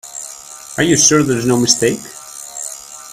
Are you sure there's no mistake?